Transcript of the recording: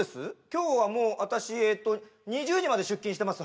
今日はもう私えっと２０時まで出勤してます